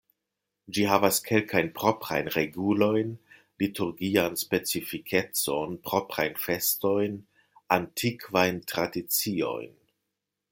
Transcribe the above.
Ĝi havas kelkajn proprajn regulojn, liturgian specifikecon, proprajn festojn, antikvajn tradiciojn.